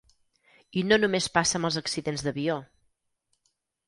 I no només passa amb els accidents d'avió.